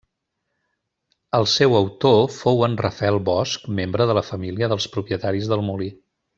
El seu autor fou en Rafael Bosch membre de la família dels propietaris del molí.